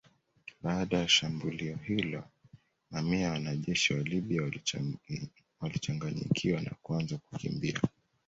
Baada ya shambulio hilo mamia ya wanajeshi wa Libya walichanganyikiwa na kuanza kukimbia